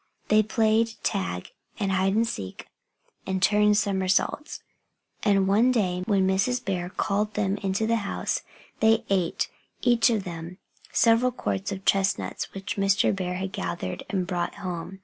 They played tag, and hide and seek, and turned somersaults. And one day, when Mrs. Bear called them into the house, they ate, each of them, several quarts of chestnuts which Mr. Bear had gathered and brought home.